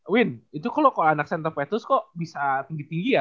win itu kok lo anak santo petrus kok bisa tinggi tinggi ya